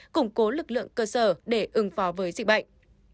củng cố lực lượng cơ sở để ứng phó với dịch bệnh